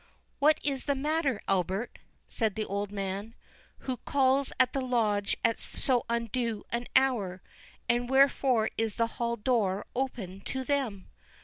"What is the matter, Albert?" said the old man; "who calls at the Lodge at so undue an hour, and wherefore is the hall door opened to them?